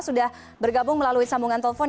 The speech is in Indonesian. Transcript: sudah bergabung melalui sambungan telepon